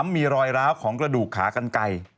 มีรอยร้าวของกระดูกขากันไกล